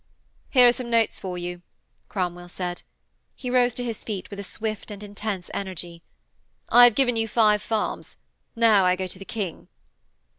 'Here are some notes for you,' Cromwell said. He rose to his feet with a swift and intense energy. 'I have given you five farms. Now I go to the King.'